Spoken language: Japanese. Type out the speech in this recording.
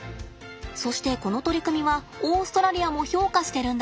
そしてこの取り組みはオーストラリアも評価してるんだって。